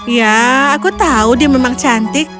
ya aku tahu dia memang cantik